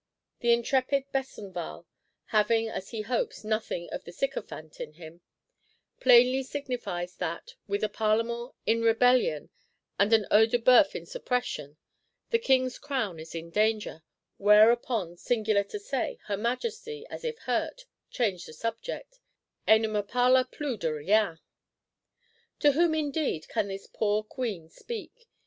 The intrepid Besenval,—having, as he hopes, nothing of the sycophant in him,—plainly signifies that, with a Parlement in rebellion, and an Œil de Bœuf in suppression, the King's Crown is in danger;—whereupon, singular to say, her Majesty, as if hurt, changed the subject, et ne me parla plus de rien! To whom, indeed, can this poor Queen speak?